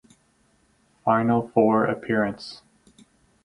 Final Four appearance.